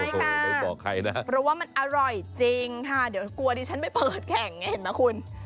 ใช่ค่ะไม่บอกใครนะเพราะว่ามันอร่อยจริงค่ะเดี๋ยวกลัวดิฉันไปเปิดแข่งไงเห็นไหมคุณ